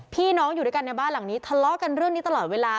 พี่น้องอยู่ด้วยกันในบ้านหลังนี้ทะเลาะกันเรื่องนี้ตลอดเวลา